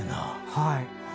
はい。